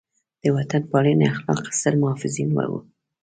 د وطن پالنې اخلاق ستر محافظین وو.